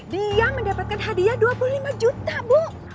dia mendapatkan hadiah dua puluh lima juta bu